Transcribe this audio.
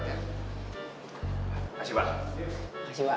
terima kasih pak